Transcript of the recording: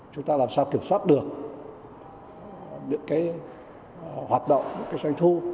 chúng ta làm sao kiểm soát được những cái hoạt động những cái doanh thu